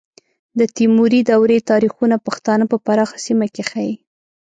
د تیموري دورې تاریخونه پښتانه په پراخه سیمه کې ښیي.